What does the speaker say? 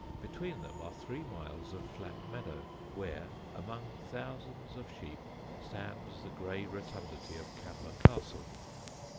Between them are three miles of flat meadow, where, among thousands of sheep, stands the grey rotundity of Camber Castle.